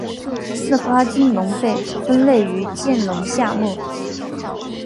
似花君龙被分类于剑龙下目。